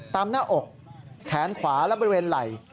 หน้าอกแขนขวาและบริเวณไหล่